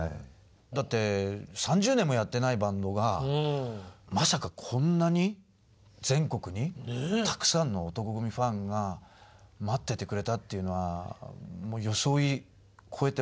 だって３０年もやってないバンドがまさかこんなに全国にたくさんの男闘呼組ファンが待っててくれたっていうのはもう予想を超えてましたね。